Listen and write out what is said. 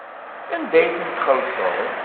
Anda ay tent-txellṣeḍ?